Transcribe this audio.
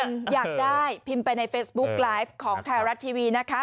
อยากได้พิมพ์ไปในเฟซบุ๊คไลฟ์ของไทยรัฐทีวีนะคะ